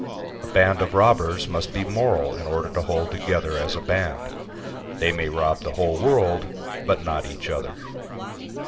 A band of robbers must be moral in order to hold together as a band; they may rob the whole world but not each other.